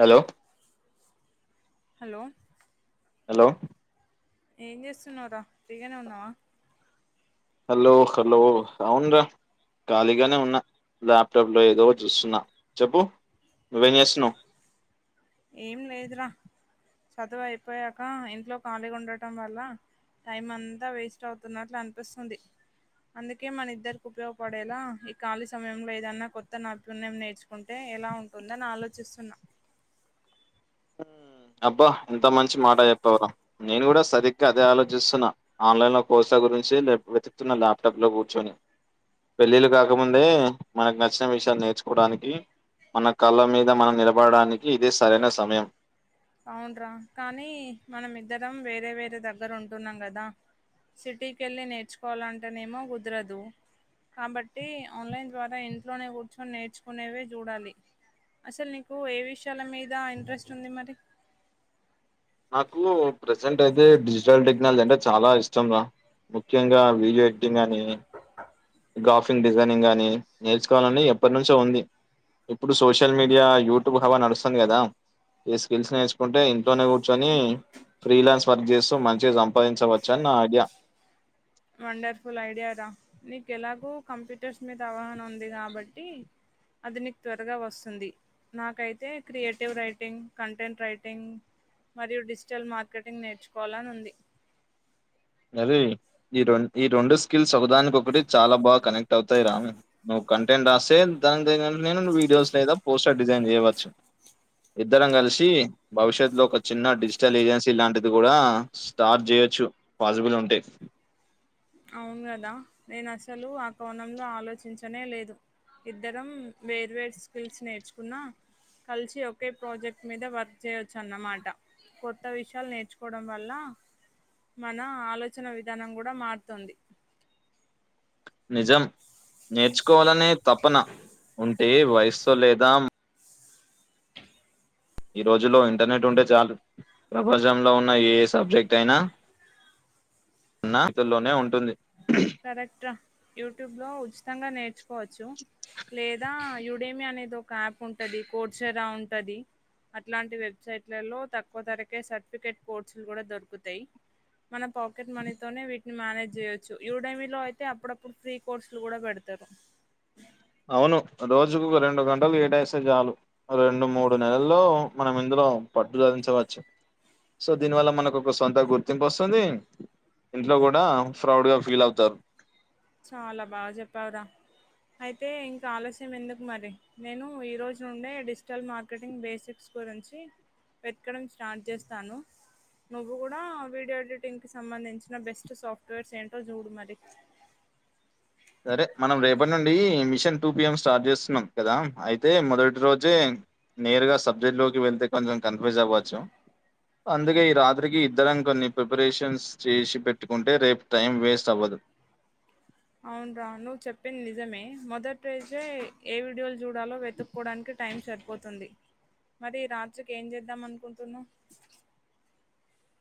Hello hello hello ఏం చేస్తున్నావురా ఫ్రీగానే ఉన్నావ హలో హలో అవునుర ఖాళీగానే ఉన్న ల్యాప్టాప్ లో ఏదో చూస్తున్నా చెప్పు నువ్వేం చేస్తున్నావు ఏం లేదుర చదువు అయిపోయాక ఇంట్లో ఖాళీగా ఉండటం వల్ల టైం అంతా వేస్ట్ అవుతున్నట్లు అనిపిస్తుంది అందుకే మన ఇద్దరికి ఉపయోగపడేలా ఈ ఖాళీ సమయంలో ఏదన్నా కొత్త నైపుణ్యం నేర్చు [unintelligible] ఎలా ఉంటుందని ఆలోచిస్తున్న అబ్బా ఇంత మంచి మాట చెప్పావురా నేను కూడా సరిగ్గా అదే ఆలోచిస్తున్నా ఆన్లైన్ లో కోర్స గురించి వెతుక్తున్న ల్యాప్టాప్ లో కూర్చొని పెళ్ళిళ్లు కాకముందే మనకు నచ్చిన విషయాలు నేర్చుకోడానికి మన కాళ్ల మీద మనం నిలబడడానికి ఇదే సరైన సమయం అవున్రా కానీ మనం ఇద్దరం వేరే వేరే దగ్గర ఉంటున్నాం కదా సిటీకి వెళ్ళి నేర్చుకోవాలంటేనేమో కుదరదు కాబట్టి ఆన్లైన్ ద్వార ఇంట్లోనే కూర్చొని నేర్చుకునేవే చూడాలి అసలు నీకు ఏ విషయాల మీద ఇంట్రెస్ట్ ఉంది మరి నాకు ప్రజెంట్ అయితే డిజిటల్ టెక్నాలజీ అంటే చాల ఇష్టం రా ముఖ్యంగా వీడియో ఎడిటింగ్ అని గ్రాఫిక్ డిజైనింగ్ గాని నేర్చుకోవాలని ఎప్పటి నుంచో ఉంది ఇప్పుడు సోషల్ మీడియా యూట్యూబ్ హవా నడుస్తుంది కదా ఏ స్కిల్స్ నే [unintelligible] ఇంట్లోనే కూర్చొని ఫ్రీలాన్స్ వర్క్ చేస్తూ మంచిగా సంపాదించవచ్చు అని నా ఐడియా వండర్‌ఫుల్ ఐడియా రా నీకు ఎలాగో కంప్యూటర్స్ మీద అవగాహన ఉంది కాబట్టి అది నీకు త్వరగా వస్తుంది నాకైతే క్రియేటివ్ రైటింగ్ కంటెంట్ రైటింగ్ మరియు డిజిటల్ మార్కెటింగ్ నేర్చుకోవాలని ఉంది అరే ఈ రెం ఈ రెండు స్కిల్స్ ఒకదానికి ఒకటి చాల బాగా కనెక్ట్ అవుతాయిరా కంటెంట్ రాస్తే దాని తో నేను వీడియోస్ లేదా పోస్టర్ డిజైన్ చేయవచ్చు ఇద్దరం కలిసి భవిష్యత్ లో ఒక చిన్న డిజిటల్ ఏజెన్సీ లాంటిది కూడ స్టార్ట్ చేయొచ్చు పాసిబుల్ ఉంటే అవును కదా నేను అసలు ఆ కోణంలో ఆలోచించనే లేదు ఇద్దరం వేర్వేరు స్కిల్స్ నేర్చుకున్న కలిసి ఒకే ప్రాజెక్ట్ మీద వర్క్ చేయొచ్చు అన్నమాట కొత్త విషయాలు నేర్చుకోవడం వల్ల మన ఆలోచన విధానం కూడ [unintelligible] తుంది నిజం నేర్చుకోవాలనే తపన ఉంటే వయసుతో లేదా ఈ రోజుల్లో ఇంటర్నెట్ ఉంటే చాలు ప్రపంచంలో ఉన్న ఏ సబ్జెక్ట్ అయినా [unintelligible] ఉంటుంది కరెక్ట్ రా యూట్యూబ్లో ఉచితంగా నేర్చుకోచ్చు లేదా యూడెమీ అనేది ఒక యాప్ ఉంటది [unintelligible] ఉంటది అట్లాంటి వెబ్సైట్లలో తక్కువ ధరకే సర్టిఫికేట్ కోర్సులు కూడా దొరుకుతాయి మన పాకెట్ మనీతోనే వీటిని మేనేజ్ చేయొచ్చు యూడెమీలో అయితే అప్పుడప్పుడు ఫ్రీ కోర్సులు కూడా పెడతారు అవును రోజుకు ఒక రెండు గంటలు కేటాయిస్తే చాలు రెండు మూడు నెలల్లో మనం ఇందులో పట్టు సాధించవచ్చు సో దీని వల్ల మనకు ఒక సొంత గుర్తింపు వస్తుంది ఇంట్లో కూడా ప్రౌడ్ గా ఫీల్ అవుతారు చాలా బా చెప్పావ్ రా అయితే ఇంకా ఆలస్యం ఎందుకు మరి నేను ఈరోజు నుండే డిజిటల్ మార్కెటింగ్ బేసిక్ స్ గురించి వెతకడం స్టార్ట్ చేస్తాను నువ్వు కూడా వీడియో ఎడిటింగ్ కి సంబంధించిన బెస్ట్ సాఫ్ట్వేర్స్ ఏంటో చూడు మరి సరే మనం రేపటి నుండి మిషన్ టూ పిఎం స్టార్ట్ చేస్తున్నాం కదా అయితే మొదటి రోజే నేరు గా సబ్జెక్ట్ లోకి వెళ్తే కొంచెం కన్ఫ్యూజ్ అవ్వచ్చు అందుకే ఈ రాత్రికి ఇద్దరం కొన్ని ప్రిపరేషన్స్ చేసి పెట్టుకుంటే రేపు టైం వేస్ట్ అవ్వదు అవును రా నువ్వు చెప్పింది నిజమే మొదటైతేే ఏ వీడియోలు చూడాలో వెతుక్కకోవడానికి టైం సరిపోతుంది మరి రాత్రికి ఏం చేద్దాం అనుకుంటున్నావ్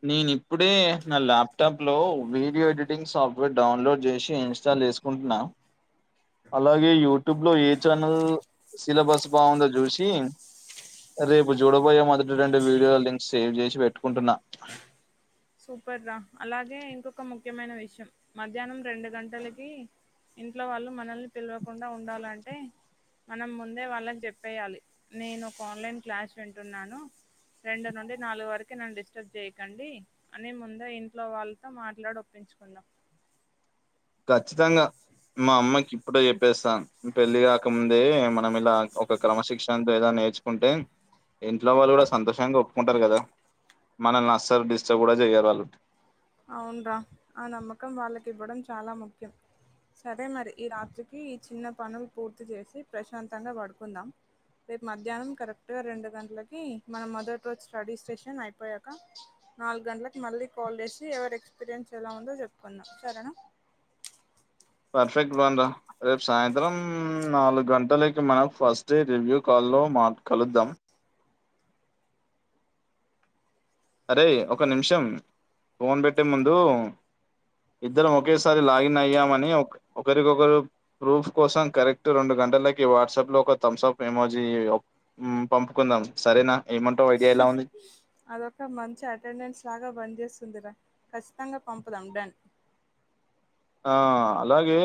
నేను ఇప్పుడే నా ల్యాప్టాప్ లో వీడియో ఎడిటింగ్ సాఫ్ట్వేర్ డౌన్లోడ్ చేసి ఇన్స్టాల్ చేస్ ఉంటున్నా అలాగే యూట్యూబ్ లో ఏ ఛానల్ సిలబస్ బాగుందో చూసి రేపు చూడబోయే మొదటి రెండు వీడియో లింక్ సేవ్ చేసి పెట్టుకుంటున్నా సూపర్ రా అలాగే ఇంకొక ము ముఖ్యమైన విషయం మధ్యాహ్నం రెండు గంటలకి ఇంట్లో వాళ్ళు మనల్ని పిలవకుండా ఉండాలంటే మనం ముందే వాళ్ళకి చెప్పేయాలి నేను ఒక ఆన్లైన్ క్లాస్ వింటున్నాను రెండు నుండి నాలుగు వరకే నన్ను డిస్టర్బ్ చేయకండి అని ముందే ఇంట్లో వాళ్ళతో మాట్లాడి ఒప్పించుకుందాం ఖచ్చితంగా మా అమ్మకి ఇప్పుడే చెప్పేస్తాన్ పెళ్లిి కాకముందే మనం ఇలా ఒక క్రమశిక్షణతో ఏద నేర్చుకుంటే ఇంట్లో వాళ్ళు కూడా సంతోషంగా ఒప్పుకుంటారు కదా మనల్ని అసలు డిస్టర్బ్ కూడా చేయ్యరు వాళ్ళు అవును రా ఆ నమ్మకం వాళ్ళకి ఇవ్వడం చాలా ముఖ్యం సరే మరి ఈ రాత్రికి ఈ చిన్న పనులు పూర్తి చేసి ప్రశాంతంగా పడుకుందాం రేపు మధ్యాహ్నం కరెక్ట్గా రెండు గంటలకి మనం మొదటి రోజు స్టడీ స్టేషన్ అయిపోయాక నాలుగు గంటలకు మళ్ళీ కాల్ చేసి ఎవరి ఎక్స్పీరియన్స్ ఎలా ఉందో చెప్పుకుందాం సరేనా పఫెక్ట్ బాందా రేపు సాయంత్రం నాలుగు గంటలకి మనం ఫస్ట్ డే రివ్యూ కాల్ లో మా కలుద్దాం అరే ఒక నిమిషం ఫోన్ పెట్టే ముందు ఇద్దరం ఒకేసారి లాగిన్ అయ్యామని ఒక్ ఒకరికొకరు ప్రూఫ్ కోసం కరెక్ట్ రెండు గంటలకి వాట్సాప్ లో ఒక థమ్సాప్ ఎమోజి ఓప్ ఉ పంపుకుందాం సరేనా ఏమంటావు ఐడియా ఎలా ఉంది ఆ అదొక మంచి అటెండెన్స్ లాగా బంద్ చేస్తుందిరా ఖచ్చితంగా పంపుదాం డన్ ఆ అలాగే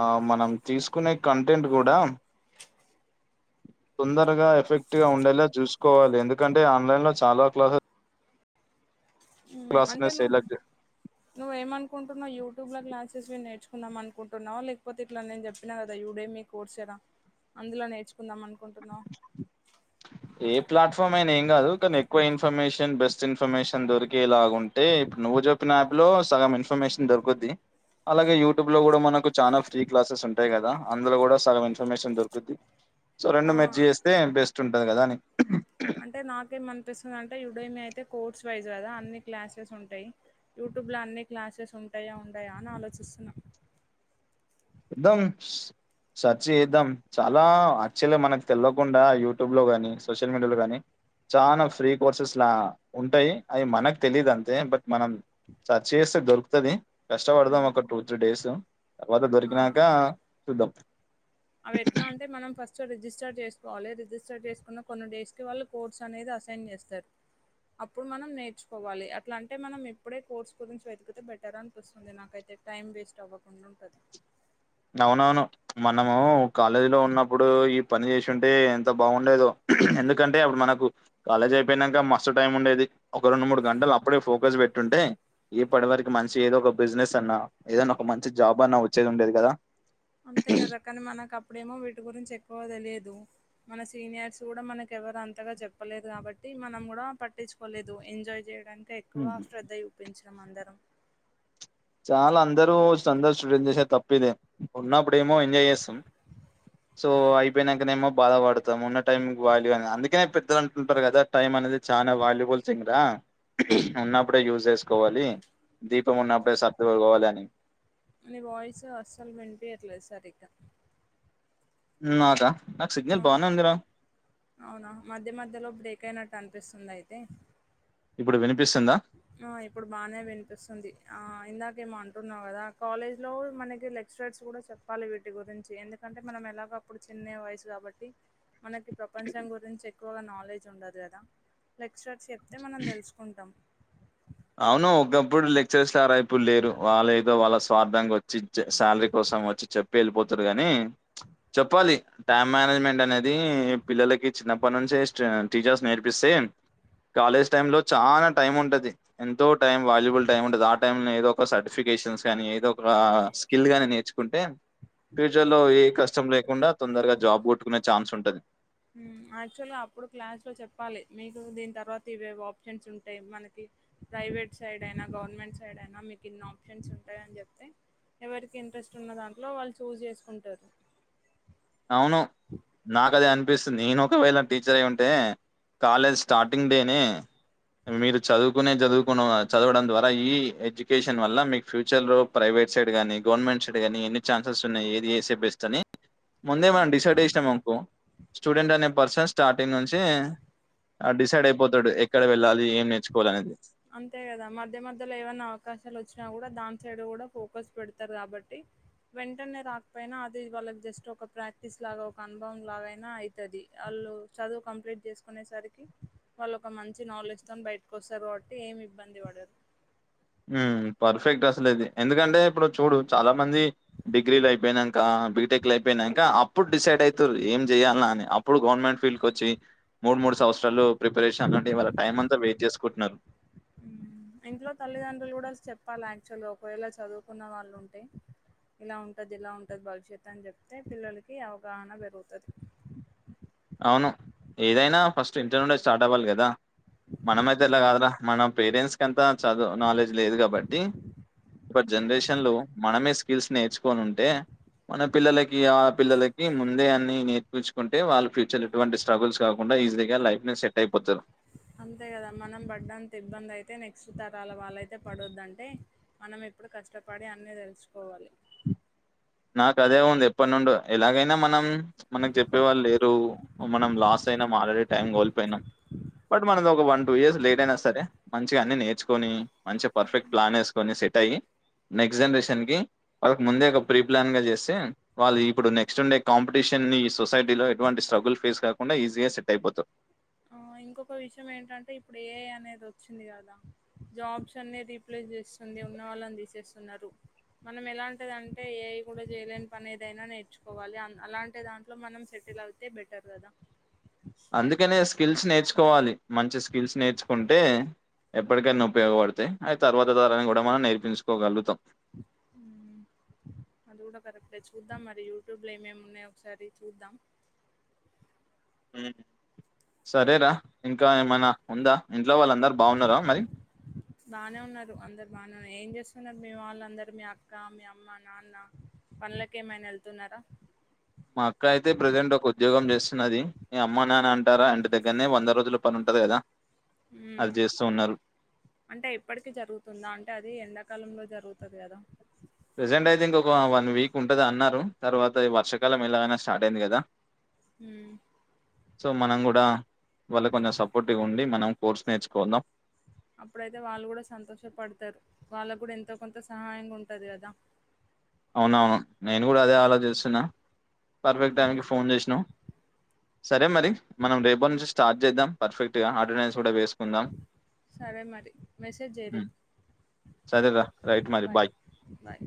ఆ మనం తీసుకునే కంటెంట్ కూడా తొందరగా ఎఫెక్ట్ గా ఉండేలా చూసుకోవాలి ఎందుకంటే ఆన్లైన్ లో చాలా క్లాస్ ఉ అంటే నువ్ క్లాసెస్ నువ్వ ఏం అనుకుంటన్నా యూట్యూబ్ లో క్లాసెస్వి నేర్చుకుందాం అనుకుంటున్నా లేకపోతే ఇట్లా నేను చెప్పినా కదా యు డే మీ కోర్సు ఏరా అందులో నేర్చుకుందాం అనుకుంటున్నా ఏ ప్లాట్ఫామ్ అయినా ఏం కాదు కానీ ఎక్కువ ఇన్ఫర్మేషన్ బెస్ట్ ఇన్ఫర్మేషన్ దొరికే లాగా ఉంటే ఇప్పుడు నువ్వు చొప్పిన యాప్ లో సగం ఇన్ఫర్మేషన్ దొరుకుద్ది అలాగే యూట్యూబ్ లో కూడా మనకు చానా ఫ్రీ క్లాసెస్ ఉంటాయి కదా అందులో కూడా సగం ఇన్ఫర్మేషన్ దొరుకుద్ది సో ఆ రెండు మిక్స్ చేస్తే బెస్ట్ ఉంటది కదా అని అంటే నాకేమనిపిస్తుంది అంటే యుడయమి అయితే కోర్స్ వైజ్ కదా అన్ని క్లాసెస్ ఉంటాయి యూట్యూబ్ల అన్ని క్లాసెస్ ఉంటాయా ఉండయా అని ఆలోచిస్తున్నా ద్దాంస్ సర్చ్ చేద్దాం చాలా యాక్చువల్గా మనకు తెలియకుండా యూట్యూబ్ లో గానీ సోషల్ మీడియాలో గానీ చానా ఫ్రీ కోర్సెస్ లా ఉంటాయి అవి మనకు తెలీదు అంతే బట్ మనం సర్చ్ చేస్తే దొరుకుతది కష్టపడదాం ఒక టూ త్రీ డేసు తర్వాత దొరికినాక చూద్దాం అవేట్లా అంటే మనం ఫస్ట్ రిజిస్టర్ చేసుకోవాలే రిజిస్టర్ చేసుకున్న కొన్ని డేస్కి వాళ్ళు కోర్స్ అనేది అసైన్ చేస్తారు అప్పుడు మనం నేర్చుకోవాలే అట్లా అంటే మనం ఇప్పుడే కోర్స్ గురించి వెతికితే బెటర్ అనిపిస్తుంది నాకైతే టైం వేస్ట్ అవ్వకుండా ఉంటది అవునవును మనము కాలేజీ లో ఉన్నప్పుడు ఈ పని చేసుంటే ఎంత బాగుండేదో ఎందుకంటే అప్పుడు మనకు కాలేజ్ అయిపోయినంక మస్తు టైం ఉండేది ఒక రెండు మూడు గంటలు అప్పుడే ఫోకస్ పెట్టుంటే ఇప్పడి వరకి మంచి ఏదో ఒక బిజినెస్ అన్నా ఏదన్నా ఒక మంచి జాబ్ అన్నా వచ్చేది ఉండేది కదా అంతే గదా కానీ మనకప్పుడేమో వీటి గురించి ఎక్కువ తెలియదు మన సీనియర్స్ గూడా మనకి ఎవరు అంతగా చెప్పలేదు కాబట్టి మనం గూడ పట్టిచ్ పొలేదు ఎంజాయ్ చేయడానికే ఎక్కువ ఉమ్. శ్రద్ధ చూపించాం అందరం చాలా అందరూ అందరూ స్టూడెంట్ చేసే తప్పిదే ఉన్నప్పుడేమో ఎంజాయ్ చేస్తాం బ్లాంక్ సో అయిపోయినంకనేమో బాధ పడుతం ఉన్న టైంకి వ్యాల్యూ అని అందుకనే పెద్దలు అంటుంటారు గదా టైమ్ అనేది చాన వాల్యుబుల్ థింగ్ రా ఉన్నప్పుడే యూజ్ జేసుకోవాలి దీపం ఉన్నప్పుడే సర్దువలు పోవాలి అని ని వాయిస్ అస్సలు వినిపయట్లేదు సరీగా నాదా నాకు ఆ, సిగ్నల్ బానే ఉందిరా అవునా మధ్య మధ్యలో బ్రేక్ అయినట్టు అనిపిస్తుంది అయితే ఇప్పుడు వినిపిస్తుందా ఆ ఇప్పుడు బానే వినిపిస్తుంది ఆ ఇందాకేమో అంటున్నావు గదా కాలేజ్ లో మనకి లె క్చరర్స్ కుడా చెప్పాలి వీటి గురించి ఎందుకంటే మనం ఎలాగ అప్పుడు చిన్న వయసు గాబట్టి మనకి ప్రపంచం గురించి ఎక్కువగా నాలెడ్జ్ ఉండదు గదా లెక్చరర్స్ చెప్తే మనం తెలుసుకుంటాం అవును ఒకప్పుడు లెక్చరర్సారా ఇప్పుడు లేరు వాళ్ళ ఏదో వాళ్ళ స్వార్ధంకి వచ్చి శాలరీ కోసం వచ్చి చెప్ వెళ్ళిపోతుంరూ గాని చెప్పాలి టామ్ మేనేజ్మెంట్ అనేది పిల్లలకి చిన్నప్పటి నుంచే స్ట్రె టీచర్స్ నేర్పిస్తే కాలేజ్ టైమ్ లో చానా టైం ఉంటది ఎంతో టైం వాల్యుబుల్ టైం ఉంటది ఆ టైమ్లనే ఏదో ఒక సర్టిఫికేషన్స్ కానీ ఏదో రా స్కిల్గానీ నేర్చుకుంటే ఫ్యూచర్ లో ఏ కష్టం లేకుండా తొందరగా జాబ్ కొట్టుకునే ఛాన్స్ ఉంటది ఊమ్ ఆక్చువల్గా అప్పుడు క్లాస్ లో చెప్పాలి మీకు దీని తర్వాత ఇవే ఆప్షన్స్ ఉంటాయి మనకి ప్రైవేట్ సైడ్ అయినా గవర్నమెంట్ సైడ్ అయినా మీకు ఇన్ని ఆప్షన్స్ ఉంటాయని చెప్తే ఎవరికి ఇంట్రెస్ట్ ఉన్న దాంట్లో వాళ్ళు చూజ్ చేసుకుంటారు అవును నాకదే అనిపిస్తుంది నేను ఒకవేళ టీచర్ అయ్యుంటే కాలేజ్ స్టార్టింగ్ డేనే మీరు చదువుకునే జదువుకున చదవడం ద్వారా ఈ ఎడ్యుకేషన్ వల్ల మీక్ ఫ్యూచర్లో ప్రైవేట్ సైడ్ గానీ గవర్నమెంట్ సైడ్ కానీ ఎన్నిఛాన్సెస్ ఉన్నాయి ఏది చేస్తే బెస్ట్ అని ముందే మనం డిసైడ్ చేేసినామనుకో స్టూడెంట్ అనే పర్సన్ స్టార్టింగ్ నుంచే అ డిసైడ్ అయిపోతడు ఎక్కడ వెళ్ళాలి. ఏం నేర్చుకోవాలనేది. అంతే గదా మధ్య మధ్యలో ఏవన్నా అవకాశాలొచ్చినా గూడ దాని సైడ్ కూడా ఫోకస్ పెడతారు కాబట్టి వెంటనే రాక్పోయినా అది వాళ్ళకి జస్ట్ ఒక ప్రాక్టీస్ లాగా ఒక అనుభవం లాగైనా అయ్ తది ఆళ్ళు చదువు కంప్లీట్ జేసుకునేసరికి వాళ్ళోక మంచి నాలెడ్జ్ త్తం బయటికొస్తరు కావట్టి ఏమిబ్బంది వడరు మ్మ్ పర్ఫెక్ట్ అసలిది ఎందుకంటే ఇప్పుడు చూడు చాలా మంది డిగ్రీలయిపోయినంక బీటెక్ల్ అయిపోయినంక అప్పుడు డిసైడ్ అయితుర్రి ఏం జేయాల్నా అని అప్ అప్పుడు గవర్నమెంట్ ఫీల్డ్ కొచ్చి మూడు మూడు సంవత్సరాలు ప్రిపరేషనుండి వాళ్ళ టైం అంతా వేస్ట్ జేసుకుంటున్నరు మ్మ్ ఇంట్లో తల్లిదండ్రులు గూడా చెప్పాల ఆక్చువల్గ ఒకవేళ చదువుకున్న వాళ్ళుంటే ఇలా ఉంటది ఇలా ఉంటది భవిష్యత్ అని జెప్తే పిల్లలకి అవగాహన పెరుగుతది. అవును ఏదైనా ఫస్ట్ ఇంట్లో నుండే స్టార్ట్ అవ్వాలి గదా మనమయితే ఇట్లా కాద్రా మన పేరెంట్స్ కంతా చదువ్ నాలెడ్జ్ లేదు కాబట్టి ఇప్పటి జనరేషన్ లో మనమే స్కిల్స్ నేర్చుకోనుంటే మన పిల్లలకి ఆ పిల్లలకి ముందే అన్ని నేర్పిచ్చుకుంటే వాళ్ళ ఫ్యూ చర్ లో ఎటువంటి స్ట్రగుల్స్ కాకుండా ఈజీగా లైఫ్ నే సెట్ అయిపోతరు. అంతే కదా మనం పడ్డంత ఇబ్బందయితే నెక్స్ట్ తరాల వాళ్ళయితే పడోద్దంటే మనమేప్పుడు కష్టపడి అన్ని తెలుసుకోవాలి. నాకదే ఉంది ఎప్పటి నుండో ఎలాగైనా మనం మనకి చెప్పేవాళ్ళు లేరు. మనం లాస్ అయినాం ఆల్రెడీ టైం కోల్పోయ్నాం. బట్ మనది ఒక వన్ టూ ఇయర్స్ లేట్ అయినా సరే మంచిగా అన్ని నేర్చుకొని మంచి పర్ఫెక్ట్ ప్లానేసు కొని సెట్ అయ్యి నెక్స్ట్ జనరేషన్ కి వాళ్ళకి ముందే ఒక ప్రీప్లాన్ గా చేస్తే వాళ్ళు ఇప్పుడు నెక్స్ట్ వుండే కాంపిటీషన్ని ఈ సొసైటీలో ఎటువంటి స్ట్రగుల్ ఫేస్ కాకుండా ఈజీగా సెట్ అయిపోతరు. ఆ ఇంకొక విషయం ఏంటంటే ఇప్పుడు ఏఐ అనేది వచ్చింది గదా జాబ్స్ అన్ని రీప్లేస్ చేస్తుంది ఉన్న వాళ్ళని తీసేస్తున్నరు. మనం ఎలాంటిదంటే ఏఐ కూడా చేయలేని పని ఏదైనా నేర్చుకోవాలి అన్ అలాంటి దాంట్లో మనం సెటిలవ్ తే బెటర్ కదా అందుకనే స్కిల్స్ నేర్చుకోవాలి. మంచి స్కిల్స్ నేర్చుకుంటే ఎప్పటికైనా ఉపయోగపడతయ్ అది తర్వాత తరానికి కూడా మనం నేర్పించుకోగలుగుతాం మ్మ్ అది కూడా కరెక్టే చూద్దాం మరి యూట్యూబ్ లో ఏమేమున్నాయో ఒకసారి చూద్దాం మ్ సరేరా ఇంకా ఏమైనా ఉందా. ఇంట్లో వాళ్ళందరు బాగున్నారా మరి బాగానే ఉన్నారు అందరు బాన్నార్ ఏం చేస్తున్నారు మీ వాళ్ళందరు మీ అక్క మీ అమ్మ నాన్న పన్లకేమైనా వెళ్తున్నారా మా అక్క అయితే ప్రజెంట్ ఒక ఉద్యోగం చేస్తున్నది. ఈ అమ్మ నాన్న అంటారా ఇంటి దగ్గరనే వంద రోజుల పని ఉంటది కదా మ్మ్ అది చేస్తూ ఉన్నారు. అంటే ఇప్పటికి జరుగుతుందా అంటే అది ఎండాకాలంలో జరుగుతది కదా ప్రెజెంట్ అయితే ఇంక ఒక వన్ వీక్ ఉంటది అన్నారు తర్వాత ఈ వర్షకాలం ఎలాగైనా స్టార్ట్ అయింది కదా హ్మ్ సో మనం కూడ వాళ్ళకు కొంచెం సపోర్ట్ గ ఉండి మనం కోర్స్ నేర్చుకుందాం అప్పుడైతే వాళ్ళు కూడ సంతోషపడ్తరు వాళ్ళకు కూడ ఎంతో కొంత సహాయంగ ఉంటది కదా అవునవును నేను కూడ అదే ఆలోచిస్తున్నా పర్ఫెక్ట్ ఉమ్ టైంకి ఫోన్ చేసినవ్ సరే మరి మనం రేపనుంచి స్టార్ట్ చేద్దాం పర్ఫెక్ట్గా ఆటనెన్స్ కూడ వేసుకుందాం సరే మరి మెసేజ్ చేయ్ హ్మ్. రేపు సరేరా రైట్ మరి బాయ్ బాయ్